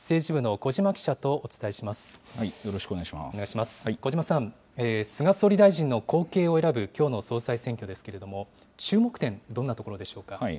小嶋さん、菅総理大臣の後継を選ぶきょうの総裁選挙ですけれども、注目点、どんなところでしょうか。